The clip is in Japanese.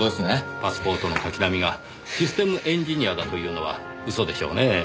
パスポートの滝浪がシステムエンジニアだというのは嘘でしょうねぇ。